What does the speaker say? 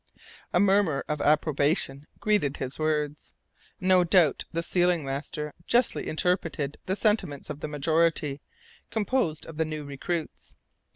A murmur of approbation greeted his words; no doubt the sealing master justly interpreted the sentiments of the majority, composed of the new recruits.